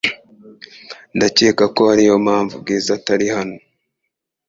Ndakeka ko ariyo mpamvu Bwiza atari hano .